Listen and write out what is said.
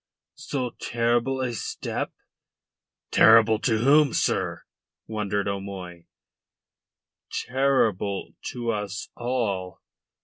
so terrible a step?" "Terrible to whom, sir?" wondered O'Moy. "Terrible to us all."